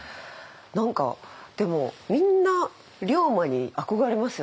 何かでもみんな龍馬に憧れますよね。